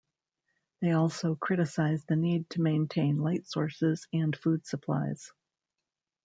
They also criticized the need to maintain light sources and food supplies.